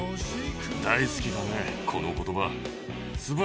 大好きだね、このことば。